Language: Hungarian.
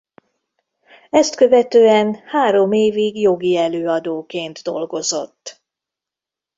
Ezt követően három évig jogi előadóként dolgozott.